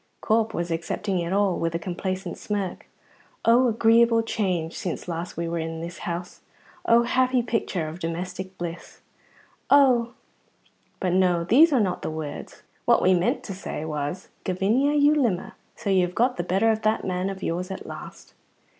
Corp was accepting it all with a complacent smirk. Oh, agreeable change since last we were in this house! oh, happy picture of domestic bliss! oh but no, these are not the words; what we meant to say was, "Gavinia, you limmer, so you have got the better of that man of yours at last."